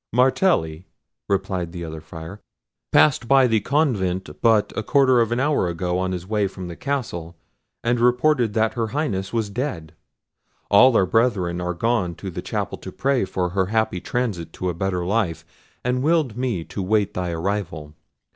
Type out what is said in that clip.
"Martelli," replied the other Friar, "passed by the convent but a quarter of an hour ago on his way from the castle, and reported that her Highness was dead. All our brethren are gone to the chapel to pray for her happy transit to a better life, and willed me to wait thy arrival.